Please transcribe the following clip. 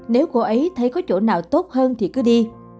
nếu cô ấy thấy có chỗ nào tốt hơn thì cứ đi